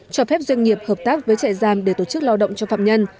cho phép doanh nghiệp hợp tác với trại giam để tổ chức lao động cho phạm nhân